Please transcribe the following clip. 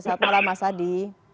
selamat malam mas adi